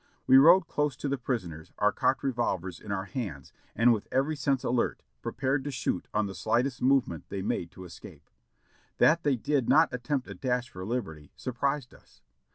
We rode close to the prisoners, our cocked revolvers in our hands and with every sense alert, prepared to shoot on the slightest movement they made to escape. That they did not attempt a dash for liberty surprised us.